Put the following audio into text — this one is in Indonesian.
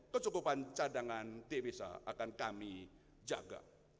kecukupan cadangan twisa akan kami jaga